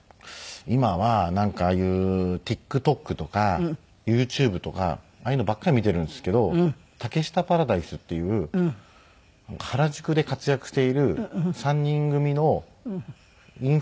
今はなんかああいうＴｉｋＴｏｋとかＹｏｕＴｕｂｅとかああいうのばっかり見てるんですけど竹下☆ぱらだいすっていう原宿で活躍している３人組のインフルエンサーっていうんですか？